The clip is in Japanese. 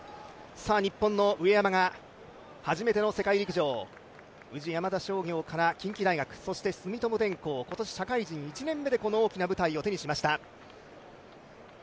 日本の上山が初めての世界陸上、宇治山田商業からそして住友電工、今年社会人１年目でこの大きな舞台を迎えました。